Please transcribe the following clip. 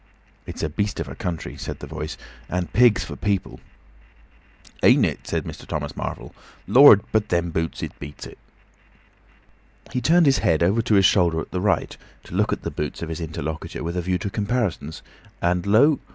"It's a beast of a country," said the Voice. "And pigs for people." "Ain't it?" said Mr. Thomas Marvel. "Lord! But them boots! It beats it." He turned his head over his shoulder to the right, to look at the boots of his interlocutor with a view to comparisons, and lo!